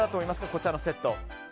こちらのセット。